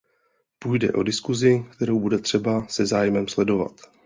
Půjde o diskusi, kterou bude třeba se zájmem sledovat.